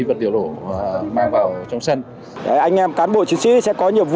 rất thân thiện